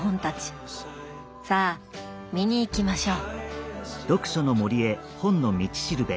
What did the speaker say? さあ見に行きましょう。